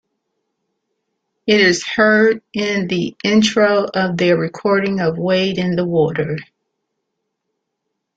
It is heard in the intro of their recording of "Wade in the Water".